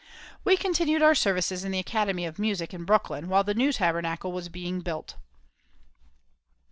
We continued our services in the Academy of Music, in Brooklyn, while the new Tabernacle was being built.